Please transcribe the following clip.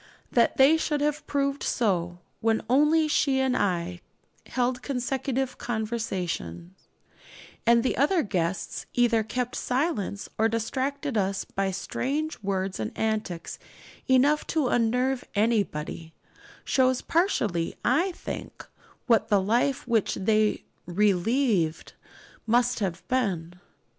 That they should have proved so, when only she and I held consecutive conversation, and the other guests either kept silence or distracted us by strange words and antics enough to unnerve anybody, shows partially, I think, what the life which they 'relieved' must have been.